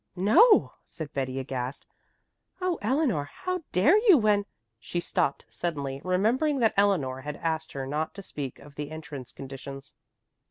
"No," said Betty aghast. "Oh, Eleanor, how dare you when " She stopped suddenly, remembering that Eleanor had asked her not to speak of the entrance conditions.